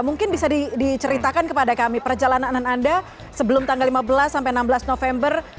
mungkin bisa diceritakan kepada kami perjalanan anda sebelum tanggal lima belas sampai enam belas november